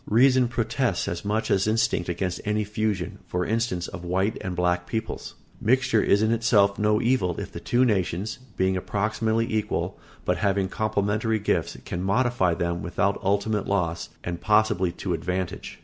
Reason protests as much as instinct against any fusion, for instance, of white and black peoples. Mixture is in itself no evil if the two nations, being approximately equal, but having complementary gifts, can modify them without ultimate loss, and possibly to advantage.